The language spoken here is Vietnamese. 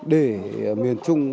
để miền trung